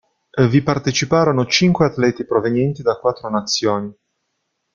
Vi parteciparono cinque atleti provenienti da quattro nazioni.